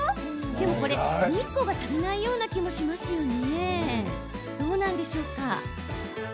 でも日光が足りないような気もしますよね。